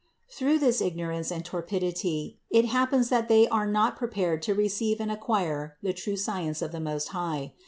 157. Through this ignorance and torpidity it happens that they are not prepared to receive and acquire the true science of the Most High.